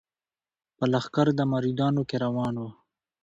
په لښکر د مریدانو کي روان وو